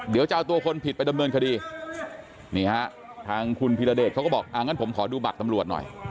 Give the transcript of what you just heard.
เดี๋ยวจะเอาตัวคนผิดไปดำเนินคดีนี่ฮะทางคุณพิรเดชเขาก็บอกอ่างั้นผมขอดูบัตรตำรวจหน่อย